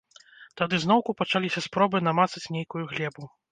Тады зноўку пачаліся спробы намацаць нейкую глебу.